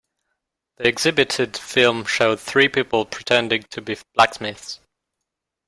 The exhibited film showed three people pretending to be blacksmiths.